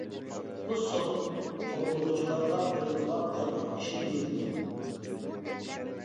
بۇ سوغۇق قوغلىغۇچىلارغا بېرىلىدىغان ھاردۇق ئېشى دېيىلىدۇ.